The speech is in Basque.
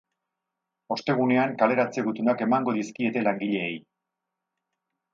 Ostegunean kaleratze gutunak emango dizkiete langileei.